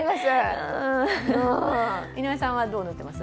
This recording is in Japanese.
井上さんはどう塗ってます？